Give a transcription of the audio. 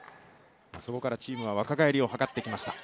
そこからチームは若返りを図ってきました。